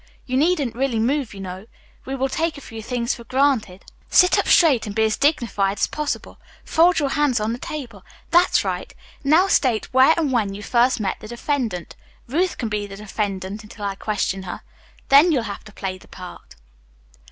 You needn't really move, you know. We will take a few things for granted. Sit up straight and be as dignified as possible. Fold your hands on the table. That's right. Now, state where and when you first met the defendant. Ruth can be the defendant until I question her. Then you'll have to play the part."